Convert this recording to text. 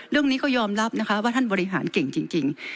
เรื่องนี้ก็ยอมรับนะคะว่าท่านบริหารเก่งจริง